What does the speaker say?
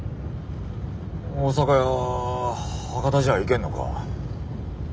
大阪や博多じゃいけんのか？